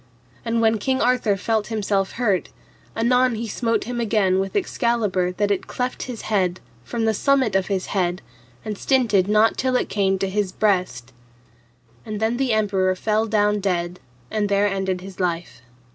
And when King Arthur felt himself hurt, anon he smote him again with Excalibur that it cleft his head, from the summit of his head, and stinted not till it came to his breast. And then the emperor fell down dead and there ended his life.